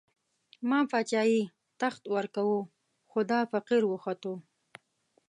ما باچايي، تخت ورکوو، خو دا فقير وختو